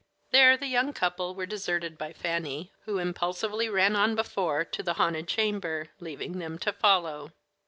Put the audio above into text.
There the young couple were deserted by Fanny, who impulsively ran on before to the haunted chamber, leaving them to follow.